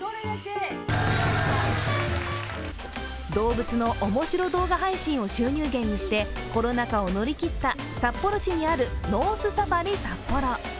動物のおもしろ動画配信を収入源にしてコロナ禍を乗り切った札幌市にあるノースサファリサッポロ。